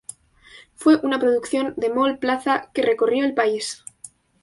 Fue una producción de Mall Plaza que recorrió el país.